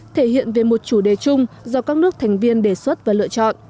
thể hiện về một chủ đề chung do các nước thành viên đề xuất và lựa chọn